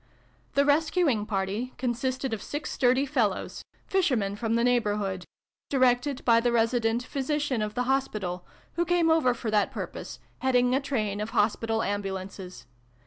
The rescuing party consisted of six sturdy fellows fishermen from the neighbourhood directed by the resident Physician of the Hos pital, who came over for that purpose, heading a train of hospital ambulances.